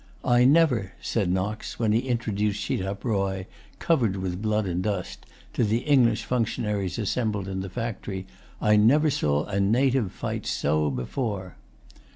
"I never," said Knox, when he introduced Schitab Roy, covered with blood and dust, to the English functionaries assembled in the factory,—"I never saw a native fight so before."